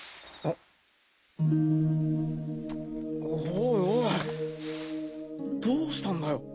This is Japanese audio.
おいおいどうしたんだよ？